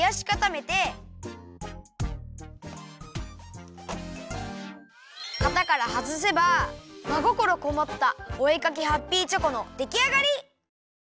かたからはずせばまごころこもったお絵かきハッピーチョコのできあがり！